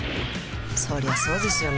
そりゃそうですよね